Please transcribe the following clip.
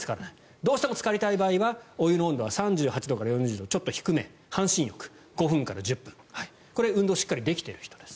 どうしてもつかりたい場合はお湯の温度は３８度から４０度ちょっと低め半身浴５分から１０分これは運動をしっかりできている人です。